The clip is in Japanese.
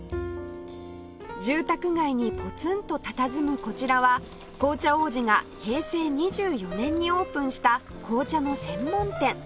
住宅街にポツンとたたずむこちらは紅茶王子が平成２４年にオープンした紅茶の専門店